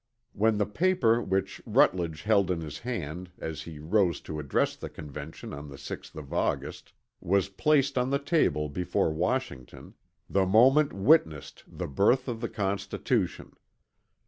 When the paper which Rutledge held in his hand, as he rose to address the Convention on the 6th of August, was placed on the table before Washington, the moment witnessed the birth of the Constitution.